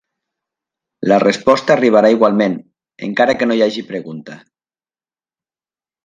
La resposta arribarà igualment, encara que no hi hagi pregunta.